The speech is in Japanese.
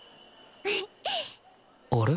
あれ？